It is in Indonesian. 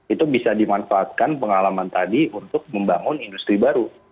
itu bisa dimanfaatkan pengalaman tadi untuk membangun industri baru